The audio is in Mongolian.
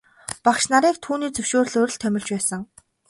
Багш нарыг түүний зөвшөөрлөөр л томилж байсан.